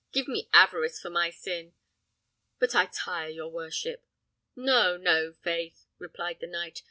Give me avarice for my sin. But I tire your worship." "No, no, faith!" replied the knight.